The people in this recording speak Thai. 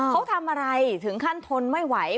เขาทำอะไรถึงขั้นทนไม่ไหว